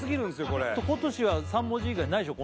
これ「こ」と「し」は３文字以外ないでしょ